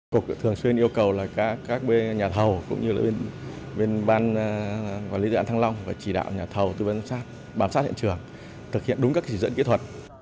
cục thường xuyên yêu cầu các nhà thầu cũng như bên ban quản lý đoạn thăng long và chỉ đạo nhà thầu tư vấn bám sát hiện trường thực hiện đúng các chỉ dẫn kỹ thuật